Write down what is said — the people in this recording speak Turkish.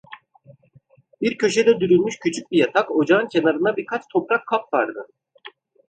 Bir köşede dürülmüş küçük bir yatak, ocağın kenarında birkaç toprak kap vardı.